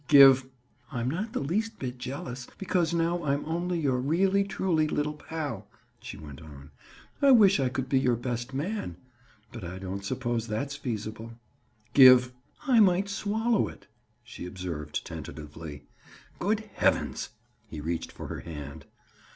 "Give—" "I'm not the least bit jealous, because now I'm only your really truly little pal," she went on. "I wish I could be your best man. But I don't suppose that's feasible." "Give—" "I might swallow it," she observed tentatively. "Great heavens!" he reached for her hand.